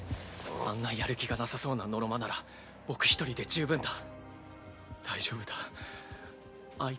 あんなやる気がなさそうなのろまなら僕一人で十分だ。